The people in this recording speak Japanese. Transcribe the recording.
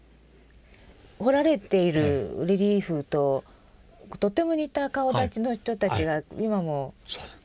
彫られているレリーフととっても似た顔だちの人たちが今も。そう。